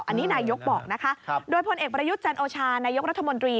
อันนี้นายกบอกนะคะโดยพลเอกประยุทธ์จันโอชานายกรัฐมนตรี